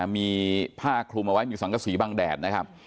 มีผ้าคลุมเอาไว้มีสังกษีบางแดดนะครับ